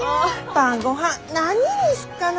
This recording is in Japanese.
晩ごはん何にすっかな。